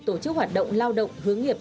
tổ chức hoạt động lao động hướng nghiệp